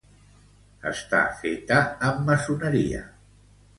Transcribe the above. Està feta amb maçoneria.